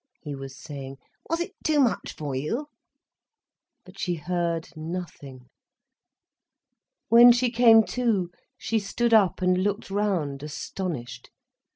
he was saying. "Was it too much for you?" But she heard nothing. When she came to, she stood up and looked round, astonished.